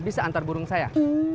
bisa antar burung saya